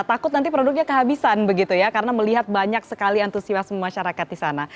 takut nanti produknya kehabisan begitu ya karena melihat banyak sekali antusiasme masyarakat di sana